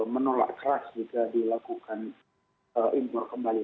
menolak keras jika dilakukan impor kembali